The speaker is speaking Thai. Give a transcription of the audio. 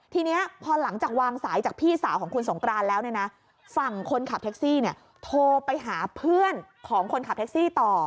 ทีนี้พอหลังจากวางสายจากพี่สาวของคุณสงกรานแล้วเนี่ยนะฝั่งคนขับแท็กซี่โทรไปหาเพื่อนของคนขับแท็กซี่ต่อ